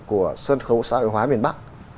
của sân khấu xã hội hóa miền bắc